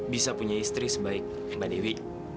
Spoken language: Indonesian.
bisa punya istri sebaik mbak dewi